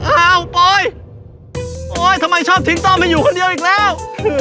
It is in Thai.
อ้าวปอยปอยทำไมชอบทิ้งต้อมให้อยู่คนเดียวอีกแล้ว